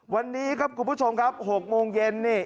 วันนี้ครับคุณผู้ชมครับ๖โมงเย็นนี่